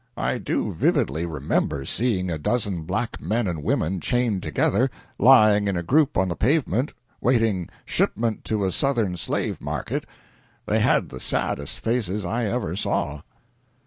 I do vividly remember seeing a dozen black men and women, chained together, lying in a group on the pavement, waiting shipment to a Southern slave market. They had the saddest faces I ever saw."